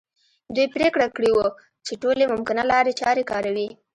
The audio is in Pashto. دوی پرېکړه کړې وه چې ټولې ممکنه لارې چارې کاروي.